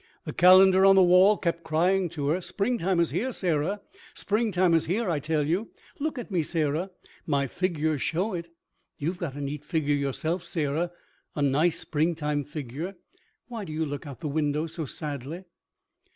The calendar on the wall kept crying to her: "Springtime is here, Sarah—springtime is here, I tell you. Look at me, Sarah, my figures show it. You've got a neat figure yourself, Sarah—a—nice springtime figure—why do you look out the window so sadly?"